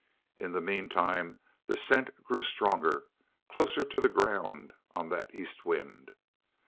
In the meantime the scent grew stronger, closer to the ground on that east wind.